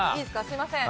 すいません。